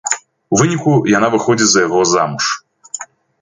У выніку яна выходзіць за яго замуж.